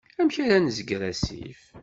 Amek ara nezger asif?